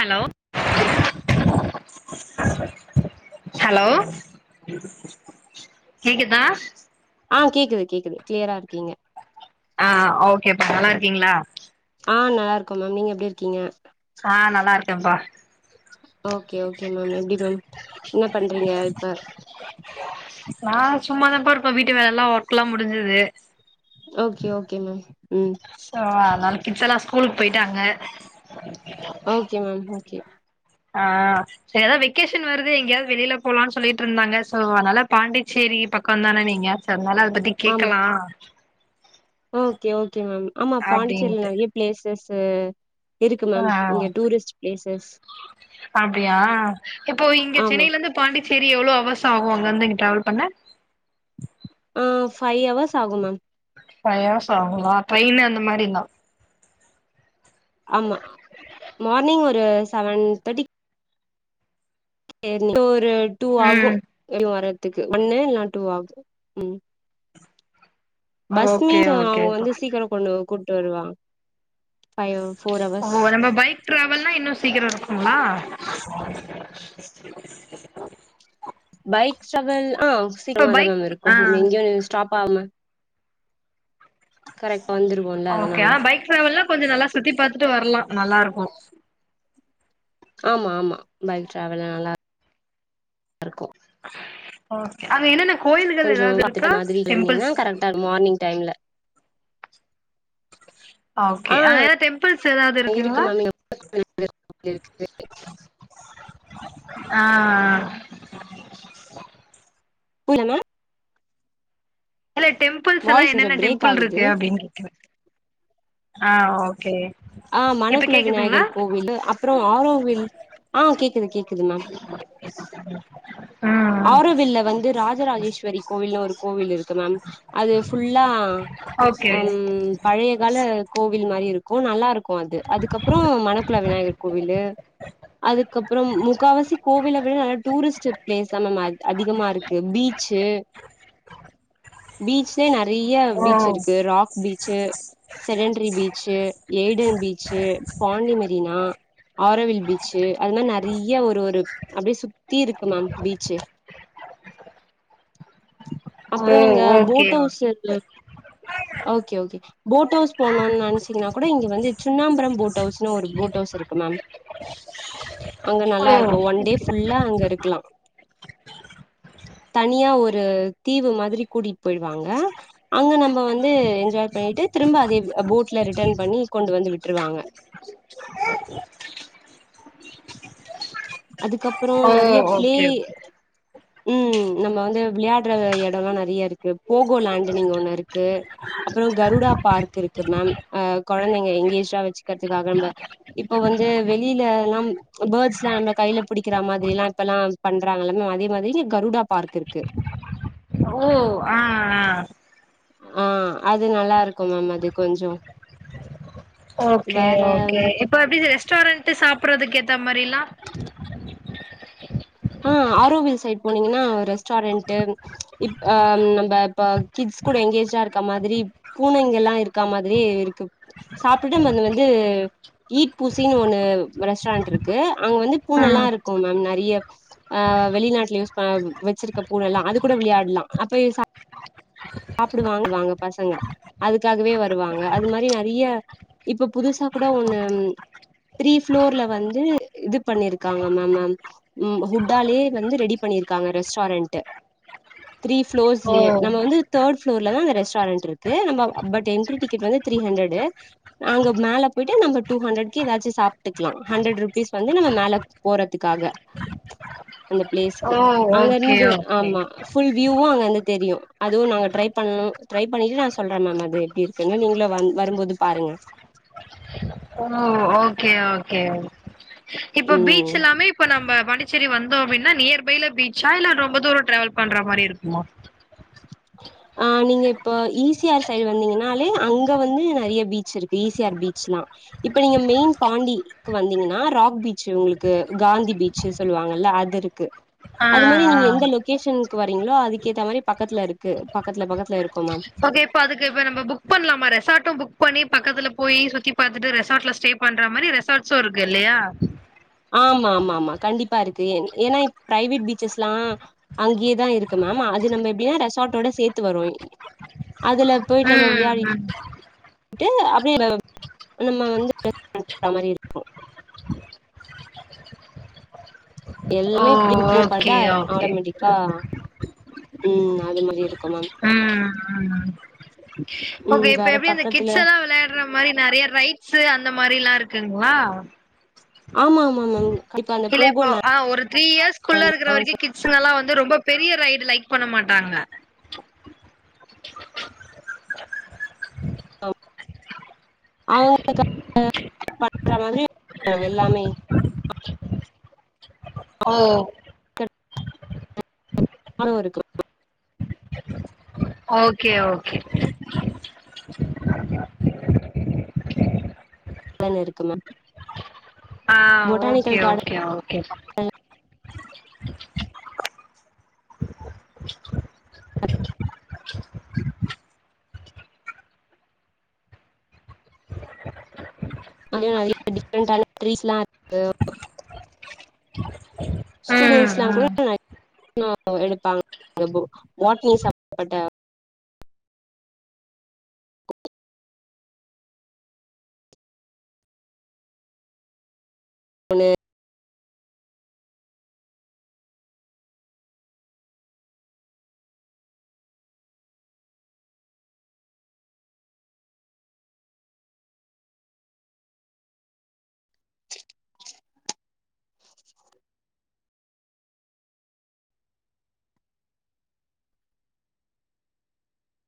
Hello hello கேக்குதா ஆ கேக்குது கேக்குது க்ளியரா இருக்கீங்க ஆ ஓகேப்பா நல்லா இருக்கீங்களா ஆ நல்லா இருக்கோ மேம் நீங்க எப்டி இருக்கீங்க ஆ நல்லா இருக்கேன்ப்பா ஓகே ஓகே மேம் எப்டி மேம் என்ன பண்றீங்க இப்ப நா சும்மாதானப்பா இருப்பே வீட்டு வேல எல்லா ஒர்க்ல்லா முடிஞ்சிது ஓகே ஓகே மேம் ம் ஸோ அதனால கிட்ஸ்ல்லா ஸ்கூலுக் போய்ட்டாங்க ஓகே மேம் ஓகே ஆ செரி அதா வெக்கேஷன் வருது எங்கியாவ்து வெளியில போலாம்னு சொல்லிட்டு இருந்தாங்க ஸோ அதனால பாண்டிச்சேரி பக் கோந்தான நீங்க ஸோ அதுனால அத பத்தி ஆமா கேக்கலா ஓகே ஓகே மேம் ஆமா பாண்டிச்சேரியல அப்டின்ட்டு நறைய பிளேசஸ்சு இருக்கு மேம் ஆ இங்க டூரிஸ்ட் பிளேசஸ் அப்டியா இப்போ இங்க ஆமா சென்னையில இருந்து பாண்டிச்சேரி எவ்ளோ அவர்ஸ்ஸு ஆகு அங்க இருந்து இங்க டிராவல் பண்ண ஆ ஃபைவ் ஹவர்ஸ் ஆகு மேம் ஃபைவ் ஹவர்ஸ் ஆகுங்களா ட்ரெயின்னு அந்த மாரி இருந்தா ஆமா மார்னிங் ஒரு செவன் தேட்டி இப்போ ஒரு டூ ஆகு ம் [inaudible] வர்றதுக்கு ஒன்னு இல்னா டூ ஆகு ம் பஸ் ஓகே மீன்ஸ் அ ஓகே அவுங்க ப்பா வந்து சீக்கிர கொண்டு கூப்ட்டு வருவா ஓ நம்ப பைக் ட்ராவல்னா இன்னு சீக்கிர இருக்குங்களா பைக் ட்ராவல் ஆ இப்ப சீக்கிரமா தா பைக் மேம் ஆ இருக்கு நம்ம எங்கயு ஸ்டாப் ஆவாம வந்துருவோல்ல ஓகே அதனால ஆனா பைக் ட்ராவல் கொஞ்சோ நல்லா சுத்தி பாத்துட்டு வர்லா நல்லா இருக்கு ஆமா ஆமா பைக் ட்ராவல்ல நல்லா இருக்கு ஓகே அங்க என்னன்ன கோயில்கள் கொஞ்சோ ஏதாவ்து பாத்துட்டு இருக்கா மாதிரி கெளம்புனீங்கன்னா டெம்பிள்ஸ் கரெக்டா மார்னிங் டைம்ல ஓகே ஆ அங்க ஏதா டெம்பிள்ஸ் ஏதாவ்து இருக்கு இருக்குங்களா மேம் இருக்கு ஆ ஆ புரில மேம் இல்ல டெம்பிள்ஸ்ஸுல்லா வாய்ஸ் கொஞ்சோ என்னென்ன பிரேக் டெம்பள் ஆகுது இருக்கு அப்டின்னு கேக்குறே ஆ ஓகே ஆ இப்ப மணக்குள கேக்குதுங்களா விநாயகர் கோவில் அப்பறோ ஆரோவில் ஆ கேக்குது கேக்குது மேம் ஆ ஆரோவில்ல வந்து ராஜ ராஜேஸ்வரி கோவில்னு ஒரு கோவில் இருக்கு மேம் அது ஃபுல்லா ஓகே ம் பழைய கால கோவில் மாரி இருக்கு நல்லா இருக்கு அது அதுக்கப்பறோ மணக்குல விநாயகர் கோவிலு அதுக்கப்பறம் முக்காவாசி கோவில விட நல்ல டூரிஸ்ட் ப்ளேஸ் தா மேம் அதி அதிகமா இருக் க்கு பீச்சு பீச்லே நெறைய ஓ பீச் இருக்கு ராக் பீச்சு செடண்ட்ரி beach Eden beach Pondy Marina Auroville beach ச்சு அது மாரி நெறைய ஒரு ஒரு அப்டியே சுத்தி இருக்கு மேம் பீச்சு ஓ அப்றோ நீங்க ஓகே போட் ஓகே. ஹவுஸ்ல ஓகே ஓகே போட் வுஸ் போனும்னு நெனைச்சீங்கனா கூட இங்க வந்து சுண்ணம்புரம் போட்ஹவுஸ்ன்னு ஒரு போட் ஹவுஸ் இருக்கு மேம் அங்க ஓ நல்லா இருக்கு ஒன் டே ஃபுல்லா அங்க இருக்லா [unintelligible] தனியா ஒரு தீவு மாதிரி கூட்டிகிட் போயிட்வாங்க அங்க நம்ம வந்து என்ஜாய் பண்ணிட்டு திரும்ப அதே போட்ல ரிட்டர்ன் பண்ணி கொண்டு வந்து விட்ருவாங்க அதுக்கப்பறோ ஓ நெறைய ப்ளே ஓகே ஓகே ம் நம்ம வந்து விளையாட்ற எடோல்லா நெறையா இருக்கு போகோ லேண்டுனு இங்க ஒண்ணு இருக்கு அப்பறோ கருடா பார்க் இருக்கு மேம் அ கொழந்தைங்க எங்கேஜ்டா வச்சுக்கிறதுக்காக நம்ப இப்ப வந்து வெளில நம் பேர்ட்ஸ்லா நம்ம கையில புடிக்கிற மாதிரில்லா இப்பல்லா பண்றாங்கல்ல மேம் அதே மாரி கருடா பார்க் இருக்கு ஓ ஆ ஆ ஆ அது நல்லா இருக்கும் மேம் அது கொஞ்சோ ஓகே வேற ஓகே இப்ப எப்டி ரெஸ்டாரண்ட் சாப்புட்றதுக்கு ஏத்த மாரிலா ஆ ஆரோவில் சைட் போனீங்கன்னா ரெஸ்டாரண்ட்டு இப்ப அ நம்ப இப்ப கிட்ஸ் கூட எங்கேஜ்டா இருக்க மாதிரி பூனைங்கல்லா இருக்க மாதிரி இருக்கு சாப்பிடும் வந்து வந்து ஈட்பூசின்னு ஒண்ணு ரெஸ்டாரண்ட் இருக்கு அங்க வந்து பூனைல்லா ம் இருக்கும் மேம் நெறைய ஆ வெளிநாட்டுல யூஸ் ப வச்சுருக்க பூன எல்லா அது கூட விளையாட்லா அப்ப சா சாப்புடுவாங்கு வாங்க பசங்க அதுக்காகவே வருவாங்க அது மாரி நெறைய இப்ப புதுசா கூட ஒண்ணு த்ரீ ப்ளோர்ல வந்து இது பண்ணிருக்காங்க மேம் மேம் ம் ஹுட்டாலயே வந்து ரெடி பண்ணிருக்காங்க ரெஸ்டாரண்ட்டு த்ரீ ஓ பளோர்ஸ்லயே நம்ம வந்து தேர்ட் ப்ளோர்லதா அந்த ரெஸ்டாரெண்ட் இருக்கு நம்ம ப என்ட்ரி டிக்கெட் வந்து த்ரீ ஹண்ரட் நாங்க மேல பொயிட்டு நம்ம டூ ஹண்ட்ரட்கு எதாச்சு சாப்புட்டுக்குலா ஹண்ட்ரட் ருபீஸ் வந்து நம்ம மேல போறதுக்காக உஹ அந்த ப்ளேஸ்க்கு அங்க இருந்து ஓகே ஆமா ஃபுல் வியூவு அங்க இருந்து தெரியு அது அதுவு நாங்க ட்ரை பண்ணனு ட்ரை பண்ணிட்டு நா சொல்றே மேம் அது எப்டி இருக்குன்னு நீங்களு வந் வரும்போது பாருங்க ஓ ஓகே ஓகே இப்ப பீச் ம் எல்லாமே இப்ப நம்ம பாண்டிச் சேரி வந்தோ அப்டின்னா நியர்பைல பீச்சா இல்ல ரொம்ப தூரோ ட்ரவல் பண்ற மாரி இருக்குமா ஆ நீங்க இப்ப ஈசி ஆர் சைடு வந்தீங்கன்னாலே அங்க வந்து நெறைய பீச் இருக்கு ஈசிஆர் பீச்ல்லா இப்ப நீங்க மெய்ன் பாண்டி க்கு வந்தீங்கன்னா ராக் பீச் உங்களுக்கு காந்தி பீச் சொல்லுவாங்கல்ல அதுருக்கு ஆ அது மாரி ஆ நீங்க எந்த லொகேஷன்க்கு வரீங்களோ அதுக்கேத்த மாரி பக்கத்துல இருக்கு பக்கத்துல பக்கத்துல இருக்கு மேம் ஓகே அதுக்கு இப்ப நம்ம புக் பண்லாமா ரெசாட்டு புக் பண்ணி பக்கத்துல போய் சுத்தி பாத்துட்டு ரெசாட்ல ஸ்டே பண்ற மாரி ரெசாட்ஸு இருக்கு இல்லையா ஆமாமாமா கண்டிப்பா இருக்கு ஏ ஏனா பிரைவேட் பீச்சஸ்ல்லா அங்கயேதா இருக்கு மேம் அது நம்ம எப்டின்னா ரெசார்டோட சேத்து வரு அதுல போய்ட்டு நம்ம ம் விளையாடி ம் ட்டு அப்டியே நம்ம வந்து [inaudible] மாரி இருக்கு ஓ எல்லாமே புக்கிங் ஓகே பண்ட்டா ஓகே ஆட்டோமேட்டிக்கா ம் அது மாரி இருக்கும் மேம் ம் ம் ஓகே ம் இப்ப வேற எப்டி அந்த பக்கத்துல கிட்ஸ் எல்லா விளையா யாடுற மாரி நறைய ரைட்ஸ் அந்த மாரில்லா இருக்குங்ளா ஆமாமாங் மேம் கண்டிப்பா அந்த இல்ல இப்ப போகோல ஆ ஒரு த்ரீ இயர்ஸ் குள்ள இருக்கிற வரைக்கு கிட் சுங்கல்லா வந்து ரொம்ப பெரிய ரைடு லைக் பண்ண மாட்டாங்க [inaudible] அவங்களுக்கு பண்ற மாரி எல்லாமே ஆ [unintelligible] இருக்கு ஓகே ஓகே [unintelligible] இருக்கு மேம் ஆ ஓகே பொட்டானிக்கல் ஓகே ஓகே பா அது நெறைய டிஃப்ரெண்டான ட்ரீஸ்லா இருக்கு ம் ஸ்டூடெண்ட்ஸ்ல்லா கூட ம் [inaudible] எடுப்பாங்க [inaudible] ஒன்னு